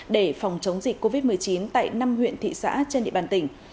để phòng chống dịch covid một mươi chín tại năm huyện thị xã trên địa bàn tỉnh